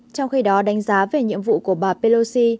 trong khi đó đánh giá về nhiệm vụ của bà pelosi